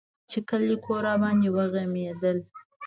چې کلى کور راباندې وغمېدل.